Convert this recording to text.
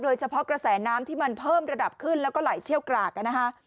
กระแสน้ำที่มันเพิ่มระดับขึ้นแล้วก็ไหลเชี่ยวกรากนะคะ